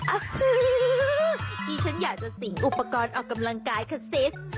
ที่ฉันอยากจะสิงอุปกรณ์ออกกำลังกายคาซิส